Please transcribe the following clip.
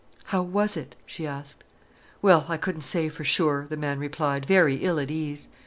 "How was it?" she asked. "Well, I couldn't say for sure," the man replied, very ill at ease.